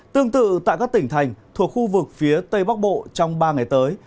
tương tự tại các tỉnh thành thuộc khu vực phía tây bắc bộ trong ba ngày tới